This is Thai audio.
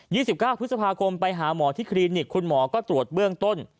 สิบเก้าพฤษภาคมไปหาหมอที่คลินิกคุณหมอก็ตรวจเบื้องต้น